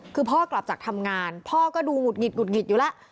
คือพ่อกลับจากทำงานพ่อก็ดูหุดหิดหุดหงิดอยู่แล้ว